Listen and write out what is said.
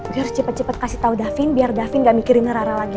gue harus cepet cepet kasih tau davin biar davin gak mikirin sama rara lagi